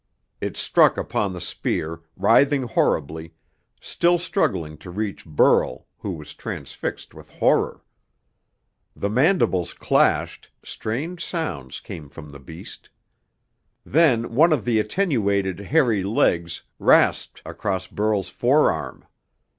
It struck upon the spear, writhing horribly, still struggling to reach Burl, who was transfixed with horror. The mandibles clashed, strange sounds came from the beast. Then one of the attenuated, hairy legs rasped across Burl's forearm.